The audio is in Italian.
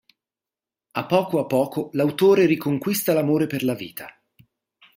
A poco a poco l'autore riconquista l'amore per la vita.